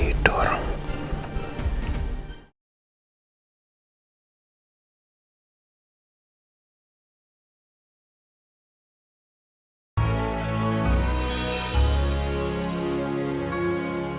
tapi aku mencoba